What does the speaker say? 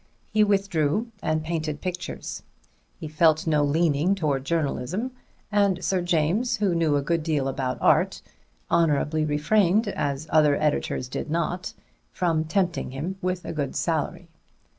He withdrew and painted pictures. He felt no leaning towards journalism, and Sir James, who knew a good deal about art, honorably refrained as other editors did not from tempting him with a good salary.